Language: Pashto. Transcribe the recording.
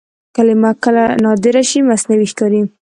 کلمه که نادره شي مصنوعي ښکاري.